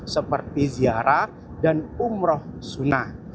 seperti ziarah dan umroh sunnah